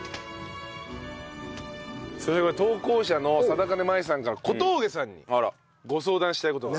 それから投稿者の貞包麻衣さんから小峠さんにご相談したい事が。